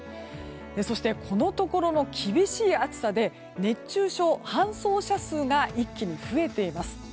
そしてこのところの厳しい暑さで熱中症搬送者数が一気に増えています。